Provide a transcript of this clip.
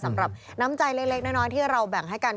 สำหรับน้ำใจเล็กน้อยที่เราแบ่งให้กัน